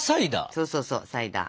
そうそうそうサイダー。